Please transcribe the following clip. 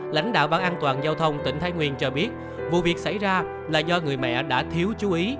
lãnh đạo ban an toàn giao thông tỉnh thái nguyên cho biết vụ việc xảy ra là do người mẹ đã thiếu chú ý